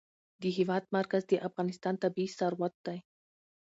د هېواد مرکز د افغانستان طبعي ثروت دی.